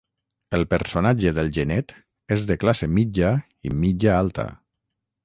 El personatge del genet és de classe mitja i mitja-alta.